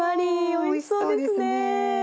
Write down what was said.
おいしそうですね。